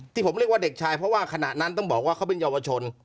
ที่ผมเรียกว่าเด็กชายเพราะว่าขณะนั้นต้องบอกว่าเขาเป็นเยาวชน